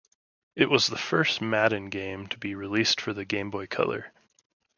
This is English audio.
It was the first "Madden" game to be released for the Game Boy Color.